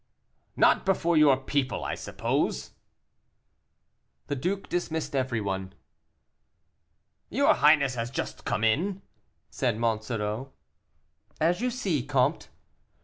"Not before your people, I suppose." The duke dismissed everyone. "Your highness has just come in?" said Monsoreau. "As you see, comte."